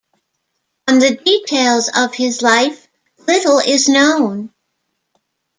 On the details of his life, little is known.